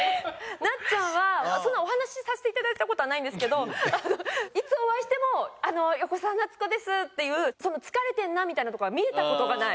なっちゃんはそんなお話しさせて頂いた事はないんですけどいつお会いしても「横澤夏子です！」っていう「疲れてんな」みたいなとこが見えた事がない。